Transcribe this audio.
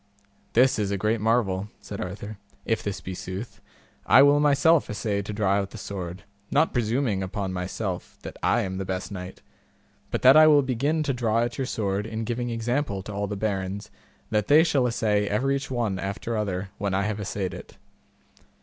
This is a great marvel, said Arthur, if this be sooth; I will myself assay to draw out the sword, not presuming upon myself that I am the best knight, but that I will begin to draw at your sword in giving example to all the barons that they shall assay everych one after other when I have assayed it.